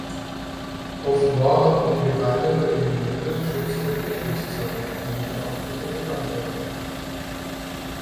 Offenbar hatten die Gebeine der Legionäre schon zu Eucherius’ Zeit eine beachtliche Bekanntheit erreicht.